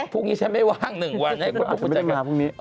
พรุ่งนี้ฉันไม่วางหนึ่งวันให้พวกคุณจัดรายการ